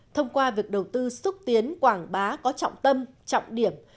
thông qua việc đầu tư xúc tiến quảng bá có trọng tâm trọng điểm